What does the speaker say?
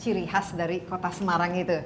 ciri khas dari kota semarang itu